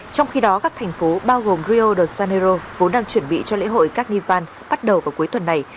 trong khi đó các thành phố bao gồm rio de janeiro vốn đang chuẩn bị cho lễ hội các ni văn bắt đầu vào cuối tuần này